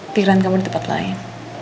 pikiran kamu di tempat lain